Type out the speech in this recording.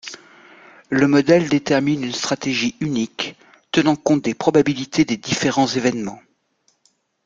Le modèle détermine une stratégie unique tenant compte des probabilités des différents évènements.